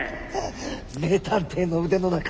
名探偵の腕の中